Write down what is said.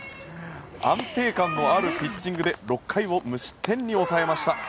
安定感のあるピッチングで６回を無失点に抑えました。